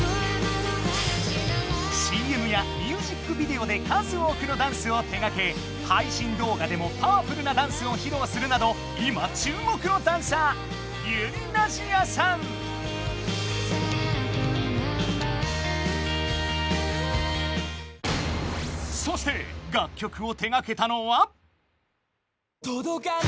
ＣＭやミュージックビデオで数多くのダンスを手がけ配信動画でもパワフルなダンスをひろうするなど今注目のダンサーそして楽曲を手がけたのは。